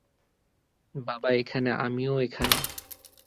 বাবা এখানে, আমিও এখানে।